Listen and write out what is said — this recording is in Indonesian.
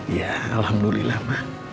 iya alhamdulillah mak